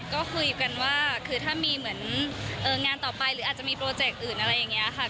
ก็คุยกันว่าคือถ้ามีเหมือนงานต่อไปหรืออาจจะมีโปรเจกต์อื่นอะไรอย่างนี้ค่ะ